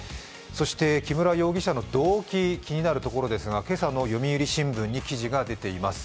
木村容疑者の動機、気になるところですが、今朝の読売新聞に記事が出ています。